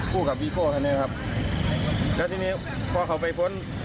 พูดกับวีโป้คันนี้ครับแล้วทีนี้พอเขาไปพ้น